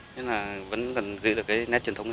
nên là vẫn còn giữ được cái nét truyền thống này